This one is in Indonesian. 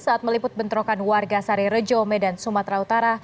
saat meliput bentrokan warga sari rejo medan sumatera utara